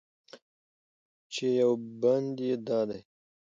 چې یو بند یې دا دی: